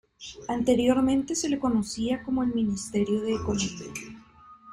Anteriormente se la conocía como el "Ministerio de Economía".